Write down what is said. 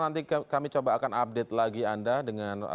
nanti kami coba akan update lagi anda dengan